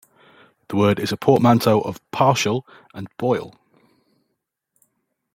The word is a portmanteau of partial and boil.